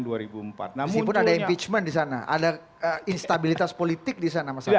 disitu pun ada impeachment di sana ada instabilitas politik di sana mas